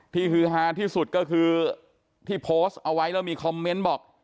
ฮือฮาที่สุดก็คือที่โพสต์เอาไว้แล้วมีคอมเมนต์บอก